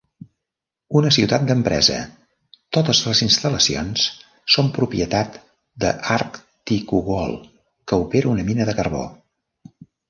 Una ciutat d'empresa, totes les instal·lacions són propietat d'Arktikugol, que opera una mina de carbó.